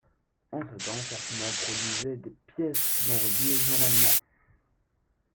En ce temps, Certina produisait pièces, dont rubis, journellement.